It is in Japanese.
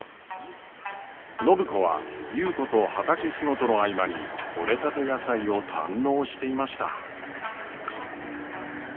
暢子は優子と畑仕事の合間に取れたて野菜を堪能していました。